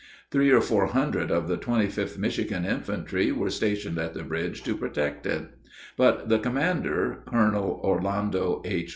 Three or four hundred of the 25th Michigan Infantry were stationed at the bridge to protect it; but the commander, Colonel Orlando H.